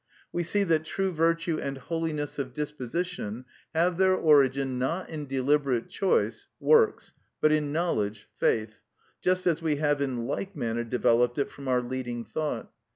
We see that true virtue and holiness of disposition have their origin not in deliberate choice (works), but in knowledge (faith); just as we have in like manner developed it from our leading thought.